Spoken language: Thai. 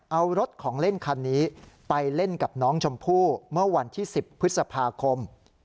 เอารถของเล่นคันนี้ไปเล่นกับน้องชมพู่เมื่อวันที่๑๐พฤษภาคม